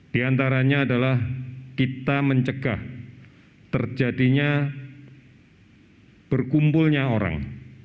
di antaranya adalah kita mencegah terjadinya berkumpulnya orang